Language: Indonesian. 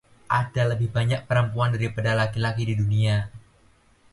Ada lebih banyak perempuan daripada laki-laki di dunia.